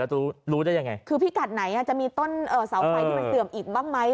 จะรู้ได้ยังไงคือพิกัดไหนจะมีต้นเสาไฟที่มันเสื่อมอีกบ้างไหม